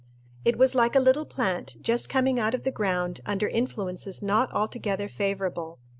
It was like a little plant just coming out of the ground under influences not altogether favorable.